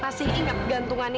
masih ingat gantungan ini